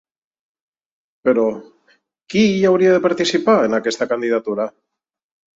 Però, qui hi hauria de participar, en aquesta candidatura?